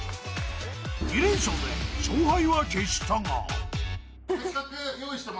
［２連勝で勝敗は決したが］